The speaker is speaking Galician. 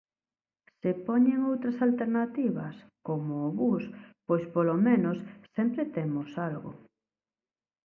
Se poñen outras alternativas, como o bus, pois polo menos sempre temos algo.